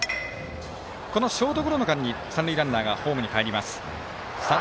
ショートゴロの間に三塁ランナーがホームにかえります。